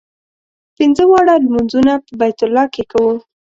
پنځه واړه لمونځونه په بیت الله کې کوو.